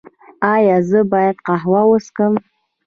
ایا زه باید قهوه وڅښم؟